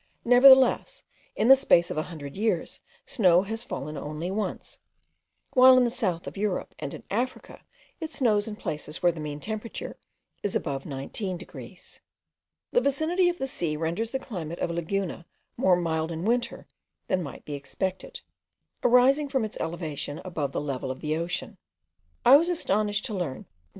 nevertheless, in the space of a hundred years snow has fallen only once, while in the south of Europe and in Africa it snows in places where the mean temperature is above 19 degrees. The vicinity of the sea renders the climate of Laguna more mild in winter than might be expected, arising from its elevation above the level of the ocean. I was astonished to learn that M.